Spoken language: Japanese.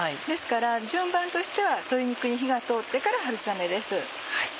ですから順番としては鶏肉に火が通ってから春雨です。